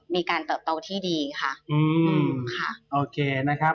มีการเติบโตที่ดีค่ะ